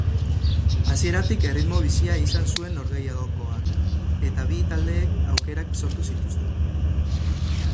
Hasieratik erritmo bizia izan zuen norgehiagokak eta bi taldeek aukerak sortu zituzten.